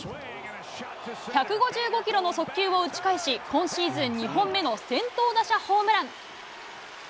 １５５キロの速球を打ち返し、今シーズン２本目の先頭打者ホームラン。